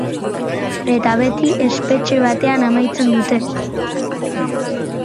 Eta beti, espetxe batean amaitzen dute.